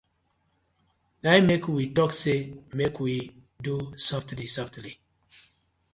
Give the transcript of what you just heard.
Na im mek we tok say mek we do sofly sofly.